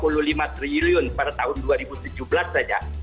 pelitungan saya satu ratus lima puluh lima triliun pada tahun dua ribu tujuh belas saja